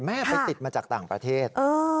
แม่ไปติดมาจากต่างประเทศ